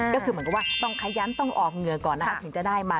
ก็คือเหมือนกับว่าต้องขยันต้องออกเหงื่อก่อนนะคะถึงจะได้มา